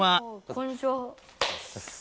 こんにちは。